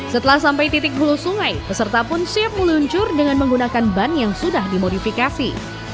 setelah sampai titik hulu sungai peserta pun siap meluncur dengan menggunakan ban yang sudah dimodifikasi